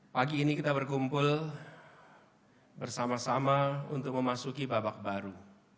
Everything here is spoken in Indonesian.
pagi ini kita berkumpul bersama sama untuk memasuki babak baru